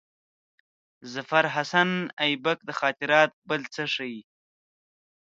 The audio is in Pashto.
د ظفرحسن آیبک خاطرات بل څه ښيي.